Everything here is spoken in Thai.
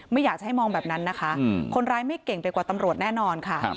ไม่อยากจะให้มองแบบนั้นนะคะคนร้ายไม่เก่งไปกว่าตำรวจแน่นอนค่ะ